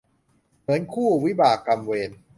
เหมือนคู่วิบากกรรมเวร